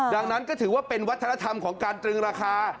ดังนั้นก็ถือว่าเป็นวัฒนธรรมของการตรึงราคา